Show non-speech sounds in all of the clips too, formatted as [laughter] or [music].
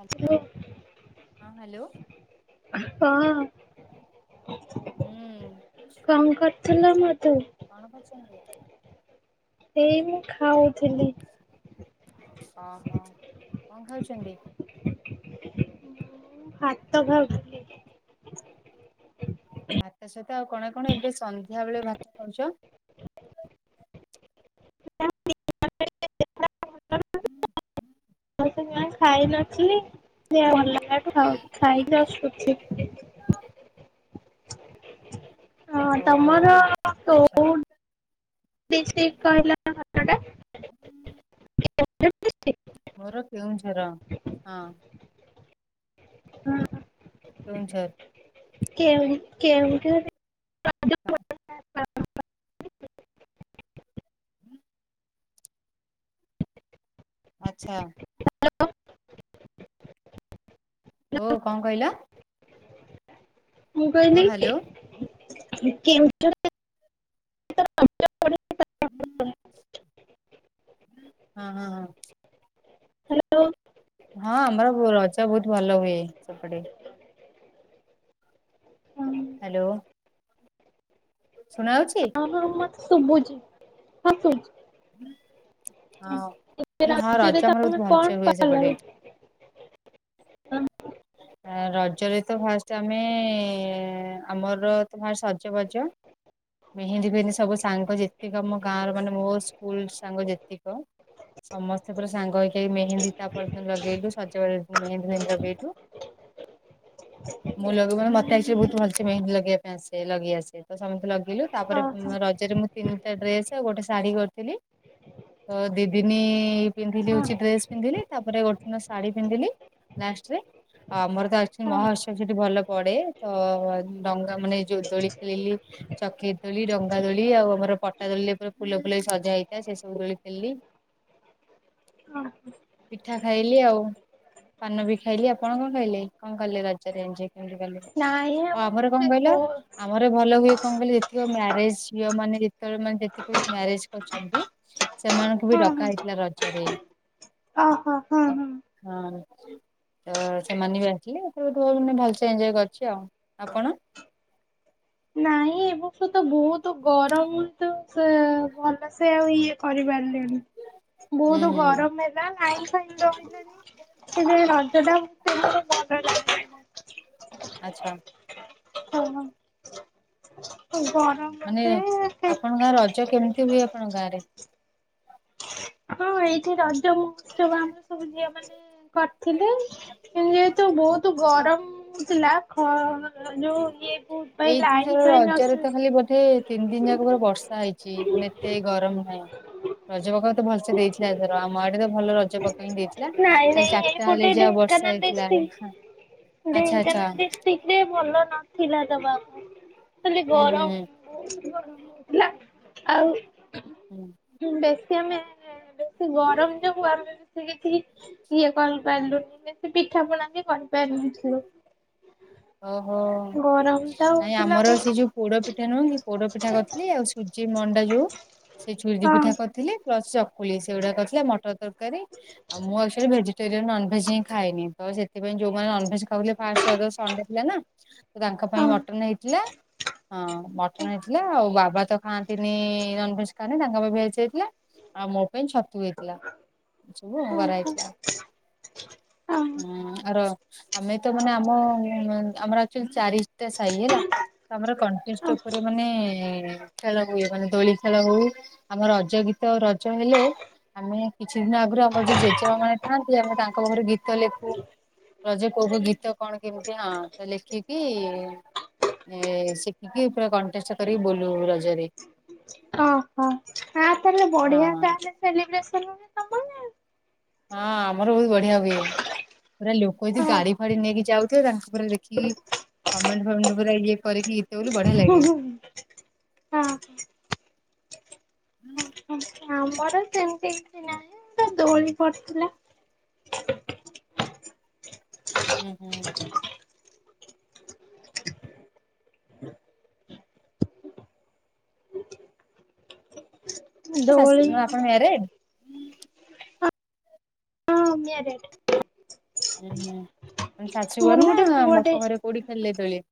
Hello ହଁ hello. ହଁ ହୁଁ କଣ କରୁଥିଲ ମୋତେ। କଣ କରୁଛନ୍ତି। ଏଇ ମୁଁ ଖାଉଥିଲି। ଅହୋ କଣ ଖାଉଛନ୍ତି। ଭାତ ଖାଉଥିଲି। ସହିତ ଭାତ ଆଉ କଣ କଣ ଏବେ ସନ୍ଧ୍ୟା ବେଳେ ଭାତ ଖାଉଛ। [unintelligible] [inaudible] [unintelligible] [unintelligible] ହଁ ତମର ଓହୋ ଆଚ୍ଛା କୋଉ। ପ୍ଲିଜ ପ୍ଲିଜ କହିଲ [unintelligible] ମୋର କେଉଁଝର ହଁ। ହଁ କେଉଁଝର। କେଉଁ କେଉଁଝର। ହଁ। [inaudible] [inaudible] ଆଚ୍ଛା। ହାଲୋ। ଓ କଣ କହିଲ? ମୁଁ ହଁ କହିଲି କେ ହ୍ୟାଲୋ। କେଉଁ ହଁ [unintelligible] [unintelligible] ହଁ ହଁ ହ ହ୍ୟାଲୋ। ଆମର ରଜ ବହୁତ ଭଲ ହୁଏ ସେପଟେ। ହଁ ହ୍ୟାଲୋ। ଶୁଣା ଯାଉଛି। ହଁ ହଁ ମୋତେ ଶୁଭୁଛି କୁହନ୍ତୁ। ହଁ। କହିଲେ ହଁ ରଜ ରଜରେ ଆମର ବହୁତ ଭଲସେ ହୁଏ ସେପଟେ ତମେ [unintelligible] [unintelligible] ରଜରେ ତ ଫାଷ୍ଟ ଆମେ ଆମର ଫାଷ୍ଟ ସଜବାଜ। ମେହେନ୍ଦୀ ଫେହେନ୍ଦୀ ସବୁ ସାଙ୍ଗ ଯେତିକ ମୋ ଗାଁ ର ମାନେ ମୋ ସ୍କୁଲ ସାଙ୍ଗ ଯେତିକ। ସମସ୍ତେ ପୁରା ସାଙ୍ଗ ହେଇକି ମେହେନ୍ଦି ତାପରେ ଲଗେଇଲୁ ସଜବାଜ ଦିନ ମେହେନ୍ଦୀ ଫେହେନ୍ଦୀ ଲଗେଇଲୁ। [unintelligible] ମୁଁ ଲଗେଇ କଣ ମତେ ଆଚୁଆଲି ବହୁତ ଭଲସେ ମେହେନ୍ଦୀ ଲଗେଇ ପାଇଁ ଆସେ ଲଗେଇ ଆସେ ତ ସମସ୍ତେ ଲଗେଇ କେଇଲୁ ତାପରେ ଓହୋ ରଜରେ ମୁଁ ତିନିଟା ଡ୍ରେସ ଆଉ ଗୋଟେ ଶାଢୀ କରିଥିଲି। ତ ଦିଦିନୀ ପିନ୍ଧିଲି ହଁ ହଉଛି ଡ୍ରେସ ପିନ୍ଧିଲି ତାପରେ ଗୋଟେ ଦିନ ଶାଢୀ ପିନ୍ଧିଲି। ଲାଷ୍ଟ ରେ ଆ ଆମର ତ ଆଚୁଅଲି ହଁ ମହୋତ୍ସବ ସେଠି ଭଲ ପଡେ ତ ଡଙ୍ଗା ମାନେ ଯୋ ଦୋଳି ଖେଳିଲି। ଚକ୍ରି ଦୋଳି ଡଙ୍ଗା ଦୋଳି ଆଉ ଆମର ପଟା ଦୋଳିରେ ପୁରା ଫୁଲ ଫୁଲ ସଜା ହେଇଥାଏ। ସେ ସବୁ ଦୋଳି ଖେଳିଲି। [inaudible] ପିଠା ଖାଇଲି ଆଉ ପାନ ବି ଖାଇଲି ଆ କଣ କଣ ଖାଇଲେ କଣ କଲେ ରଜରେ ଏଞ୍ଜୟ? ଏମିତି କଲେ। ନାଇଁ ଆଉ ଆମର ଆମେ କଣ ବୋ କହିଲ ଆମର ଭଲ ହୁଏ କଣ କହିଲି ଯେତିକ ମ୍ୟାରେଜ ଝିଅ ମାନେ ଯେତେବେଳେ ମାନେ ଯେତିକ ମ୍ୟାରେଜ କରଛନ୍ତି ସେମାନଙ୍କୁ ବି ଡକା ହେଇଥିଲା ରଜରେ ଅ ହୋ ହଁ ହୁଁ ହଁ। ତ ସେମାନେ ବି ଆସିଲେ ଏଥର ବହୁତ୍ ଭଲସେ ଏଞଜୟ କରିଛି ଆଉ। ଆପଣ? ନାଇଁ ଏ ବର୍ଷ ତ ବହୁତ ଗରମ ତ ସେ ଭଲସେ ଆଉ ଇଏ କରିପାରିଲେନି। ହୁଁ ବହୁତ ହୁଁ। ଗରମ ହେଲା ନାଇଁ ଲାଇନ୍ ଫାଇନ୍ ରହିଲାନି ସେ ଯ ରଜ ଟା ସେମିତି ଭଲ ଲାଗିଲାନି। ଆଚ୍ଛା। ହ ହ। ମାନେ ଆପଣଙ୍କ ଗାଁ ରଜ କେମିତି ହୁଏ ଆପଣଙ୍କ ଗାଁରେ? ହଁ ଏଇଠି ରଜ ମହୋତ୍ସବ ଆମର ସବୁ ଝିଅ ମାନେ କରିଥିଲେ କି ଯେହେତୁ ବହୁତ ତୁ ଗରମ ହୋଉଥିଲା ଖ ଯୋଉ ଇଏ ପାଇଁ ଲାଇନ ଏଇଥର ଫାଇନ ରଜରେ ଅସୁ ତ ଖାଲି ବୋଧେ ତିନି ଦିନ ଯାକ ପୁରା ବର୍ଷା ହେଇଛି ମାନେ ଏତେ ଗରମ ନାହିଁ। ରଜ ପାଗ ତ ପୁରା ଭଲସେ ସେ ଦେଇଥିଲା ଏଥର ଆମ ଆଡେ ତ ଭଲ ରଜ ପାଗ ହିଁ ଦେଇଥିଲା। ନାଇଁ ଖାଲି ନାଇଁ ଚାରିଟାବେଲେ ଏପଟେ ଯାହା ବର୍ଷା ଢେଙ୍କାନାଳ ହେଇଥିଲା ଡିଷ୍ଟ୍ରିକ୍ଟ ଆଚ୍ଛା ଆଚ୍ଛା ଢେଙ୍କାନାଳ ଡିଷ୍ଟ୍ରିକ୍ଟ ରେ ଭଲ ନଥିଲା ତବା ଖାଲି ହୁଁ ହୁଁ ଗରମ ହେଲା ଆଉ ହୁଁ। ବେଶ ହଁ। ସେ ଗରମ ଯୋଗୁ ଆମେ ସେ କିଛି ଇଏ କରିପାରିଲୁନି ସେ ପିଠା ପଣା ବି କରିପାରିଲୁ [unintelligible] ଓହୋ। ତ ନାଇଁ ହଉଥିଲା ଆମର ବହୁତ ସେ ଯୋଉ ପୋଡ ପିଠା ନୁହେଁ କି ପୋଡ ପିଠା କରିଥିଲି ଆଉ ସୁଜି ମଣ୍ଡା ଯୋଉ ସେ ସୁଜି ହଁ ପିଠା କରିଥିଲି ପ୍ଲସ ଚକୁଳି ସେଗୁଡା କରିଥିଲା ମଟର ତରକାରୀ ଆଉ ମୁଁ ଆକଚୁଆଲି ଭେ ଟରିଆନ ନନଭେଜ ହିଁ ଖାଇନି ତ ସେଥିପାଇଁ ଯୋଉମାନେ ନନଭେଜ ଖାଉଥିଲେ ଫାଷ୍ଟ ରଜ ସଣ୍ଡେ ଥିଲା ନା ତ ତାଙ୍କ ପାଇଁ ହଁ ମଟନ ହେଇଥିଲା ହଁ ମଟନ ହେଇଥିଲା ଆଉ ବାବା ତ ଖାଆନ୍ତିନି ନନଭେଜ ଖାଆନ୍ତିନି ତାଙ୍କ ପାଇଁ ଭେଜ ହେଇଥିଲା। ଆଉ ମୋ ପାଇଁ ଛତୁ ହେଇଥିଲା [unintelligible] ହଁ ହେଇଥିଲା। ହଁ ହୁଁ ଆ ର ଆମେ ତ ମାନେ ଆମ ଆମର ଆକ୍ଚୁଆଲି ଚାରିଟା ସାହି ହେଲା। ତ ଆମର କଣ୍ଟେଷ୍ଟ ହଁ ଉପରେ ମାନେ ଖେଳ ହୁଏ। ମାନେ ଦୋଳି ଖେଳ ହେଉ ଆମର ରଜ ଗ ରଜ ହେଲେ ଆମେ କିଛି ଦିନ ଆଗରୁ ଆମର ଯୋଉ ଜେଜେମା ମାନେ ଥାଆନ୍ତି ଆମେ ତାଙ୍କ ପାଖରେ ଗୀତ ଲେଖୁ। ରଜ କୋଉ କୋଉ ଗୀତ କଣ କେମିତି ହଁ ତ ଲେଖିକି ଏ ଶିଖିକି ପୁରା କଣ୍ଟେଷ୍ଟ କରିକି ବୋଲୁ ରଜରେ। ଓହୋ ଆ ତାହେଲେ ବଢିଆ ହଁ। ତାହେଲେ ସେଲିବ୍ରେସନ ହୁଏ ତମର। ନା ହଁ ଆମର ବହୁତ ବଢିଆ ହୁଏ। ପୁରା ଲୋକ ଯେ ଗାଡି ଫାଡି ନେଇକି ଯାଉଥିବେ ତାଙ୍କୁ ପୁରା ଦେଖିକି କମେଣ୍ଟ ଫମେଣ୍ଟ ପୁରା ଇଏ କରିକି ଗୀତ ବୋଲୁ ବଢିଆ ଲାଗେ। ହଁ ହଁ। ହୁଁ। ନାଁ ଦୋଳି ପଡିଥିଲା ହୁଁ ହୁଁ। ଦୋଳି ଶାଶ ଆପଣ ମ୍ୟାରିଡ? ଶ ରେଟ ଉ ହୁଁ ଶାଶୁ ମୋର ଘର ନା ଗୋଟେ ପୁଅଟେ ବାପା ଘରେ କୋଉଠି ଖେଳିଲେ ଦୋଳି।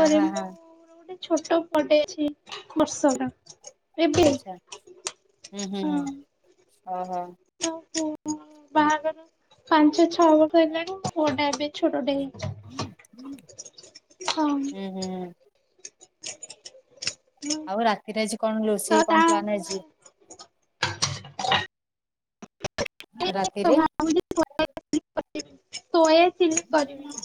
ଆ ହା ହା ମୁଁ ଗୋଟେ ଛୋଟ ପଟେ ଅଛି ବର୍ଷ ର। ଆଚଛା ହୁଁ ହୁଁ ହଁ ହ ହ ହୋ। ବାହାଘର ପାଞ୍ଚ ଛଅ ବର୍ଷ ହେଲାଣି ପୁଅଟା ଏବେ ଛୋଟଟେ ହେ ହ ହ ହଁ ହୁଁ ହୁଁ। ଆଉ ରାତିରେ ଆଜି କଣ ତ ରୋଷେଇ ତା କଣ ପ୍ଲାନ ଆଜି? ରାତିରେ। ତୋଏ ସିଲ୍ କରିବି।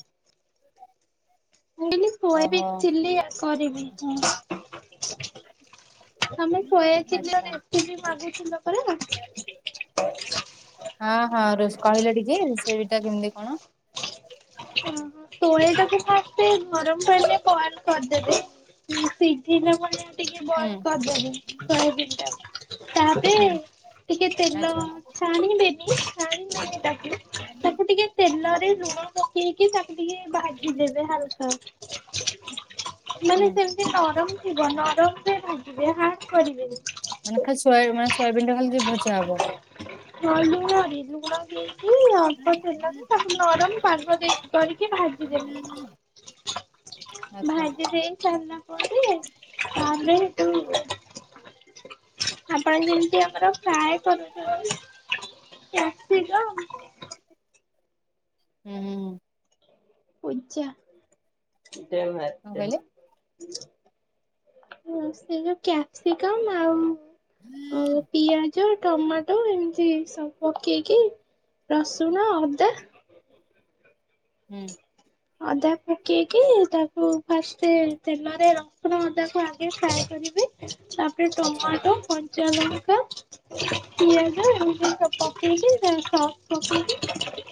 ମୁଁହିଲି କୁଏବ ଓହୋ ଥିଲି କରିବି। ତମେ ଶୋଇଥିଲି ଆଚ୍ଛା ବି ମାଗିଥିଲ। ହଁ ହଁ ରଷ କହିଲେ ଟିକେ। ସେଟା କେମିତି କଣ? ଓ ତୁଳି ଯଦି ଖାସେ ଗରମ କରେ ପ କରିଦେବେ। ସିଝଟା ମ ଟିକେ ହୁଁ ବନ୍ଦ କରିଦେବି ଶହ ଦଟା ତାପରେ ହୁଁ ଟିକେ ତେଲ ଆଚ୍ଛା ଛାଣିବେନି ଛାଣିବନି ତାକୁ। ତାକୁ ଟିକେ ତେଲରେ ଲୁଣ ପକେଇକି ତାକୁ ଟିକେ ଭାଜିିଦେବେ ହାଲକା ମାନେ ହୁଁ ସେମିତି ନରମ। ଥିବ ନରମ ରେ ଭାଙ୍ଗିବେ ହାଡ କରିବେନି। ମାନେ ଖାଲି ମାନେ ସୟାବିନ ଟା ଖାଲି ଯ ଭୋଜା ହବ। ହଁ ଲୁଣ ବି ଲୁଣ ଗହିକ ଆ କ ନରମ ପର୍ବ ଦେଇ କରିକି ଆଚ୍ଛା ଭାଜିଦବି। ଭାଜି ଦେଇ ସାରନା ପରେୁ ତାରେୁ ଆପଣ ଯେମିତି ଆମର ଫାଏ କରୁଛ। କ୍ୟାପ୍ସିକମ। ହୁଁ ହୁଁ। ପଜା ପ ମେ କଣ କହିଲେ? ସେ ଯୋଉ କ୍ୟାପ୍ସିକମ୍ ଆଉ ଅ ପିଆଜ। ଟମାଟୋ ଏମିତି ସବୁ ପକେଇକି ରସୁଣ ଅଦା। ହୁଁ। ଅଦା ପକେଇକି ତାକୁ ଫାଷ୍ଟ ତେଲରେ ରସୁଣ ଅଦାକୁ ଆଗ ଖାଇ। ତାପରେ ଆଚ୍ଛା ଟମାଟୋ କ ଚନ ଲଙ୍କା ପିଆଜ ଏମ ସବୁ ପକେଇକି ଦ ସଫ ପକେଇକି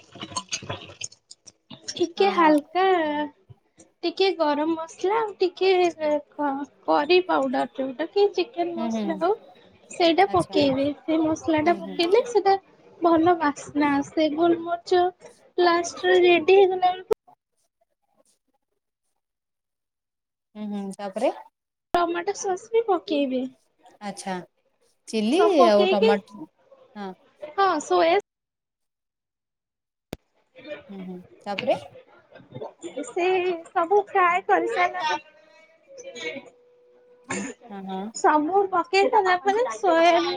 ଠିକେ ହଁ ହଁ ହାଲକା ଟିକେ ଗରମ ମସଲା ଆଉ ଟିକେ କରି ପାଉଡର ଗୋଟେ। ଚିକେ ହୁଁ ହୁଁ ମସଲା ହଉ ସେଇଟା ଆଚ୍ଛା ପକେଇବି ସେ ମସଲା ହୁଁ ଟା ହୁଁ ପକେଇଲେ ସେଇଟା ଭଲ ବାସ୍ନା ସେ ଭୋଲମରିଚ ଲା ରେଡି ହେଇଗଲା। ହୁଁ ହୁଁ ତାପରେ ଟମାଟୋ ସସ୍ ବି ପକେଇବି। ଆଛା ଚିଲି ଆଉ ପକେଇକି ଟମାଟର ହଁ। ସୋ ଏ ହୁଁ ହୁଁ ତାପରେ ସେ ସବୁ ଫ୍ରଏ କରିସ ହଁ ହଁ ସବୁ ପକେଇ ନା ଶହ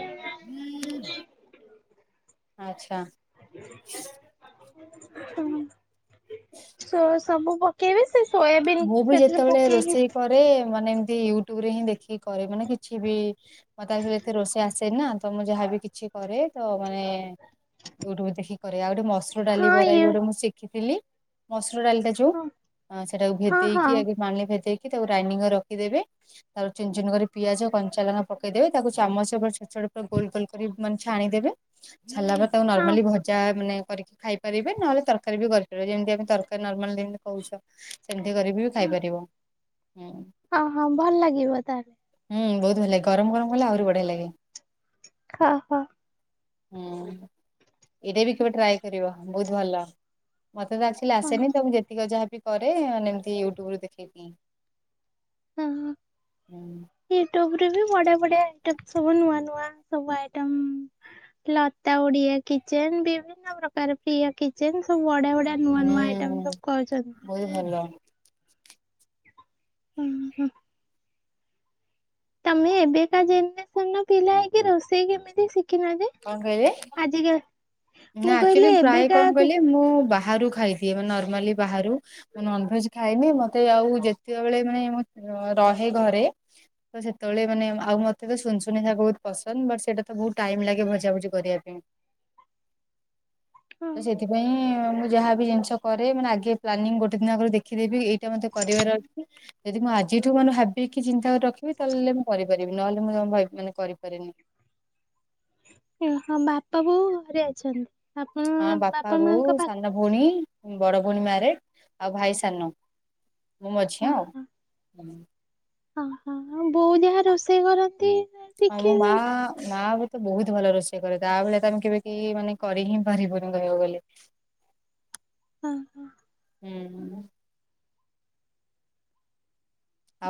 ଆଚ୍ଛା। ହୁଁ ସବୁ ପକେଇବି। ମୁଁ ବି ଯେତେବେଳେ ରୋଷେଇ କରେ ମାନେ ଏମିତିୟ ରେ ହିଁ ଦେଖିକି କରେ ମାନେ କିଛି ବି ମତେ ଯେତେ ରୋଷେଇ ଆସେ ନା ତ ମୁଁ ଯାହାବି କିଛି କରେ ତ ମାନେ ଟବ ଦେଖି ଆଉ ଗୋଟେ ମସୁର ଡାଲି ବରାଇ ହଁ ଗୋଟେ ମୁଁ ଶିଖିଥିଲି ମସ ମସୁର ଡାଲିଟା ଯୋଉ ହଁ ସେଟାକୁ ହଁ ହଁ ଭେଦେଇକି ଆଗେ ପାଣିରେ ଭେଦେଇକି ତାକୁ ଗ୍ରାଇଡିଙ୍ଗକରି ରଖିଦେବେ ତାକୁ ଚୁନ ଚୂନ କରି ପିଆଜ କଞ୍ଚା ଲଙ୍କା ପକେଇଦବେ ତାକୁ ଚାମଚ ଛୋଟ ଛୋଟ ଗୋଲ ଗୋଲ କରି ମାନେ ଛାଣିଦେବେ ଛାଣିଦେଲା ପରେ ତାକୁ ହଁ ନର୍ମାଲି ଭଜା ମାନେ କରିକି ଖାଇପାରିବେ ନହେଲେ ତରକାରୀ ବି କରିପାରିବେ ଯେମିତି ଆମେ ତରକାରୀ ନର୍ମାଲ ଯେମିତି କହୁଛ। ସେମିତି କରିବି ବି ଖାଇପାରିବ ହୁଁ, ହଁ ହଁ ଭଲ ଲାଗିବ ତାହେଲେ। ହୁଁ ବହୁତ ଭଲ ଲାଗେ ଗରମ ଗରମ କଲେ ଆହୁରି ବଢିଆ ଲାଗେ। ହଁ ହଁ, ହୁଁ ଏଇଟା ବି କେବେ ଟ୍ରାଏ କର ବହୁତ ଭଲ। ମତେ ତ ଆକ୍ଚୁଆଲି ହଁ ଆସେନି ତ ମୁଁ ଯେତିକି ଯାହାବି କରେେ ଏମିତି ୟୁଟ୍ୟୁବୁ ଦେଖିକି। ହଁ ହୁଁ ୟୁଟୁବ, ବଢ଼ିଆ ବଢ଼ିଆ ଆଇଟମ୍ ସବୁ ନୂଆ ନୂଆ ସବୁ ଆଇଟମ୍, ଲତା ଓଡିଆ କିଚେନ ବିଭିନ୍ନ ପ୍ରକାର ପ୍ରିଆ କିଚେନ ସବୁ ବଢ଼ିଆ ବଢିଆ ନୂଆ ନୂଆ ଆଇଟମ୍ ହୁଁ ସବୁ କରୁଛନ୍ତି। ବହୁତ ଭଲ ହୁଁ ହୁଁ ତମେ ଏବେକା ଜେନେରେସନ ର ପିଲା ହେଇକି ରୋଷେଇ କେମିତି ଶିଖ କଣ କହିଲେ ନା ମୁଁ କହିଲି ଆକଚୁଆଲି ମୁ ପ୍ରାୟ ଏବେକା କଣ ପି କହିଲି ମୁଁ ବା ବାହାରୁ ଖାଇଥେ ନର୍ମାଲି ବାହାରୁ ନନଭେଜ ଖାଇନି ମତେ ଆଉ ଯେତେବେଳେ ମାନେ ରହେ ଘରେ, ତ ସେତେବେଳେ ମାନେ ଆଉ ମତେ ତ ଶୁନ ଶୁନିଆ ବହୁତ ପସନ୍ଦ ବଟ ସେଇଟା ତ ବହୁତ ଟାଇମ୍ ଲାଗ ଟ ଭଜାଭୁଜି କରିବା ପାଇଁ ତ ସେଥିପାଇଁ ମୁଁ ଯାହା ବି ଜିନିଷ କରେ ମାନେ ଆଗେ ପ୍ଲାନିଂ ଗୋଟେ ଦିନ ଆଗରୁ ଦେଖିଦେବି ଏଇଟା ମେ କରିବାର ଅଛି ଯଦି ମୁଁ ଆଜିଠୁ ମାନେ ଭାବିକି ଚିନ୍ତା କରି ରଖିବି ତାହେଲେ ମୁଁ କରିପାରିବି ନହେଲେ ମୁଁ ମାନେ କରିପାରେନି। ଓ ହଁ ବାପା ବୋଉ ଘରେ ଅଛନ୍ତି। ଆପଣ ହଁ ବାପା ବୋଉ ମାଙ୍କ ପାଖ ସାନ ଭଉଣୀ। ବଡ ଭଉଣୀ ମାରେଡ଼ ଆଉ ଭାଇ ସାନ ମୁଁ ହଁ ମଝିଆ ଆଉ। ହଁ। ଓହୋ ବୋଉ ଯାହା ରୋଷେଇ କରନ୍ତି। ଶିଖି ଆମ ମା ମା ବି, ତ ବହୁତ ଭଲ ରୋଷେଇ କରେ ତା ବଳେ ତ ଆମେ କେବେ କି ମାନେ କରି ହିଁ ପାରିବୁନି କହିବାକୁ ଗଲେ। ଓ ହୋ, ହୁଁ,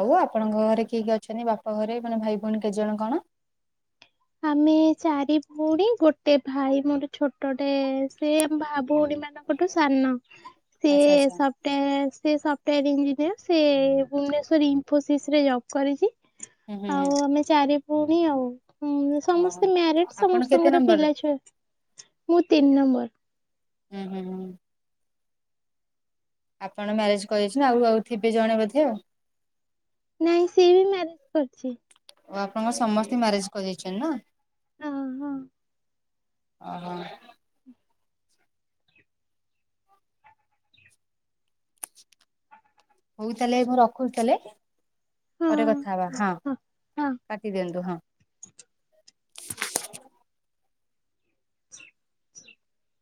ଆଉ ଆପଣଙ୍କ ଘରେ କିଏ କିଏ ଅଛନ୍ତି ବାପ ଘରେ ମାନେ ଭାଇ ଭଉଣୀ କେତେ ଜଣ କଣ? ଆମେ ଚାରି ଭଉଣୀ ଗୋଟେ ଭାଇ ମୋର ଛୋଟଟେ ସେ ଭା ଭଉଣୀ ସେମାନଙ୍କଠୁ ସାନ, ସେ ଆଚ୍ଛା ଆଚ୍ଛା ସଫ୍ଟ ସେ ସଫଟୟାର ଇଞ୍ଜିନିୟର ସେ ଭୁବନେଶ୍ୱର ଇଂଫୋସିସରେ ଜବ କରିଛି ହୁଁ ହୁଁ ହୁଁ ଆଉ ଆମେ ଚାରି ଭଉଣି ଆଉ। ହୁଁ ଓହୋ ସମସ୍ତେ ମ୍ୟାରେଡ ଆପଣ କେତେ ସମସ୍ତଙ୍କର ନମ୍ବର ପିଲା ଛୁଆ ଅଛି ମୁଁ ତିନି ନମ୍ବର। ହୁଁ ହୁଁ ହୁଁ, ଆପଣ ମ୍ୟାରେଜ କରିଛନ୍ତି ଆଉ ଆଉ ଥିବେ ଜଣେ ବୋଧେ ଆଉ। ନାଇଁ ସେି ବି ମ୍ୟାରେଜ କରିଛି। ଓ ଆପଣଙ୍କ ସମସ୍ତେ ମ୍ୟାରେଜ କରିଦେଇଛନ୍ତି ନା? ହଁ ହଁ, ଓହ, ହଉ ତାହେଲେ ମୁ ରଖୁଛି ତାହଲେ। ପରେ ହଁ କଥା ହବା ହଁ କାଟି ଦିଅନ୍ତୁ ହଁ। [inaudible] ହ [inaudible]